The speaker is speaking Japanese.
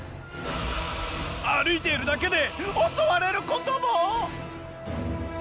歩いているだけで襲われることも！？